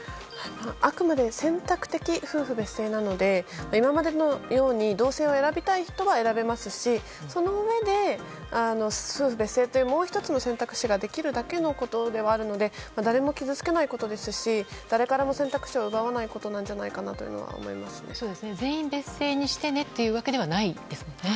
あくまで選択的夫婦別姓なので今までのように同姓を選びたい人は選べますしそのうえで、夫婦別姓というもう１つの選択肢ができるだけのことなので誰も傷つけないことですし誰からも選択肢を奪わないと全員別姓にしてねというわけではないですもんね。